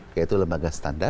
yaitu lembaga standar